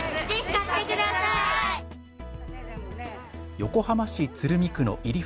横浜市鶴見区の入船